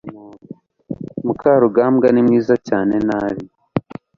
mukarugambwa ni mwiza cyane nabi